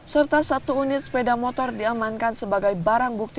serta satu unit sepeda motor diamankan sebagai barang bukti